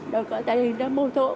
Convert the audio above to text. được có tiền để mua thuốc